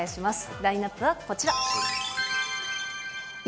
ラインナップはこちら。